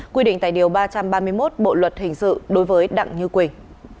quy định tại điều ba trăm ba mươi một bộ luật hình sự đối với đặng như quỳnh